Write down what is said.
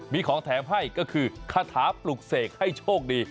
มีของแถมให้ก็คือคาถาปลุกเสกให้โชคดี